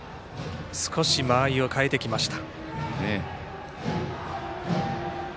少し間合いを変えてきました。